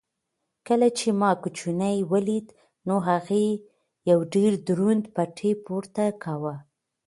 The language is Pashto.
کله چې ما کوچۍ ولیده نو هغې یو ډېر دروند پېټی پورته کاوه.